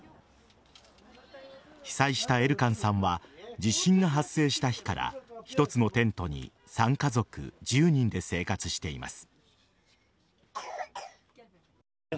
被災したエルカンさんは地震が発生した日から一つのテントに３家族１０人で生活しています。